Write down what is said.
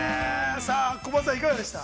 さあ、コバさん、いかがでした？